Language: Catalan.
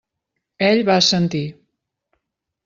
Ell va assentir.